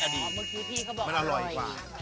เหมือนที่พี่เค้าบอกอร่อย